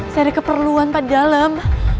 saya ada keperluan pak di dalam